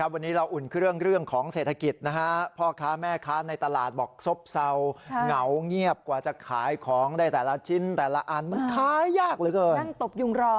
วันนี้เราอุ่นเครื่องเรื่องของเศรษฐกิจนะฮะพ่อค้าแม่ค้าในตลาดบอกซบเศร้าเหงาเงียบกว่าจะขายของได้แต่ละชิ้นแต่ละอันมันขายยากเหลือเกินนั่งตบยุงรอ